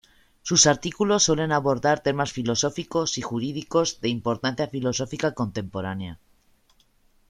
Sus artículos suelen abordar temas filosóficos y jurídicos de importancia filosófica contemporánea.